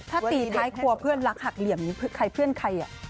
ถ้าตีท้ายครัวเพื่อนรักหักเหลี่ยมใครเพื่อนใคร